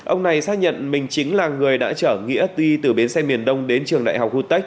ông này xác nhận mình chính là người đã chở nghĩa tuy từ bến xe miền đông đến trường đại học gutech